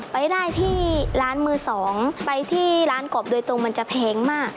ไปได้ที่ร้านมือสองไปที่ร้านกบโดยตรงมันจะแพงมาก